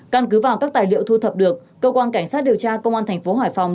căn cứ vào các tài liệu thu thập được cơ quan cảnh sát điều tra công an thành phố hải phòng